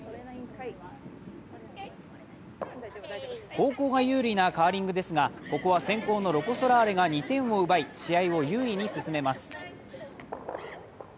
後攻が有利なカーリングですが、ここは先攻のロコ・ソラーレが２点を奪い、試合を有利に進めます。